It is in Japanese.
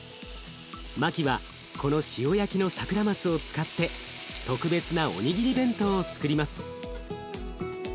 マキはこの塩焼きのサクラマスを使って特別なおにぎり弁当をつくります。